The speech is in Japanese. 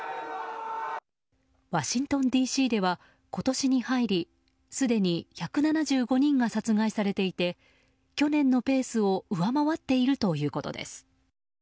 ワシントンＤＣでは今年に入りすでに１７５人が殺害されていて去年のペースを上回っているということです。